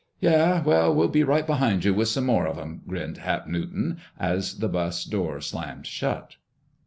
"Yeh, we'll be right behind you with some more of 'em!" grinned Hap Newton, as the bus door slammed shut.